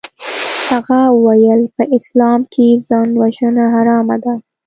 هغه وويل په اسلام کښې ځانوژنه حرامه ده.